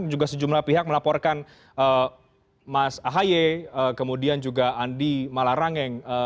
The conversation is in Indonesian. juga sejumlah pihak melaporkan mas ahaye kemudian juga andi malarangeng